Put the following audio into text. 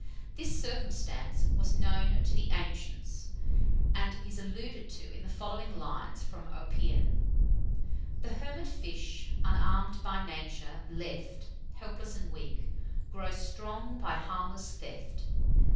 This circumstance was known to the ancients, and is alluded to in the following lines from Oppian: The hermit fish, unarm'd by Nature, left Helpless and weak, grow strong by harmless theft.